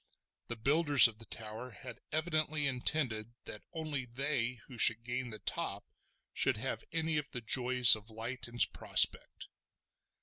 The builders of the tower had evidently intended that only they who should gain the top should have any of the joys of light and prospect.